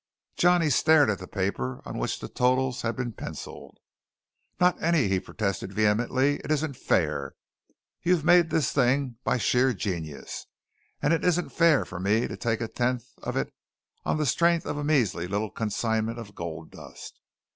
Johnny stared at the paper on which the totals had been pencilled. "Not any!" he protested vehemently. "It isn't fair! You've made this thing by sheer genius, and it isn't fair for me to take a tenth of it on the strength of a measly little consignment of gold dust.